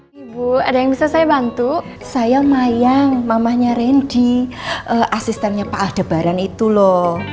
hai ibu ada yang bisa saya bantu saya mayang mamanya rendy asistennya pak aldebaran itu loh